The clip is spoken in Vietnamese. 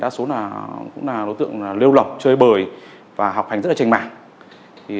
đa số là cũng là đối tượng lêu lọc chơi bời và học hành rất là trành mạng